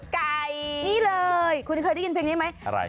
ไก่นี่เลยคุณเคยได้ยินเพลงนี้ไหมอะไร